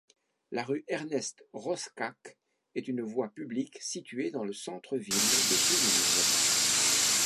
La rue Ernest-Roschach est une voie publique située dans le centre-ville de Toulouse.